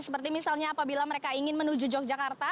seperti misalnya apabila mereka ingin menuju yogyakarta